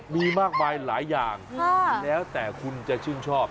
มีมากมายหลายอย่างแล้วแต่คุณจะชื่นชอบ